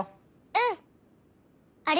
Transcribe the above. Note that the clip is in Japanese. うん！